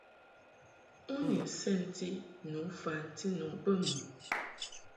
U ni nsɛnti tu fanti nu bə mɨ ɛ ?